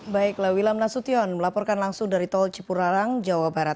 baiklah wilham nasution melaporkan langsung dari tol cipul haram jawa barat